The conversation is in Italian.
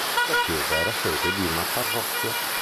La chiesa era sede di una parrocchia.